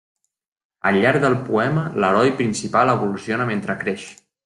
Al llarg del poema, l'heroi principal evoluciona mentre creix.